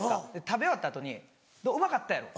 食べ終わった後に「うまかったやろ」